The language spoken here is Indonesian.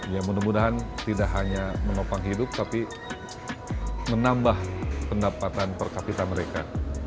ya mudah mudahan tidak hanya menopang hidup tapi menambah pendapatan per kapita mereka